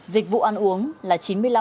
dịch vụ ăn uống là chín mươi năm năm